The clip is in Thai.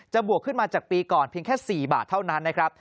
บวกขึ้นมาจากปีก่อนเพียงแค่๔บาทเท่านั้นนะครับ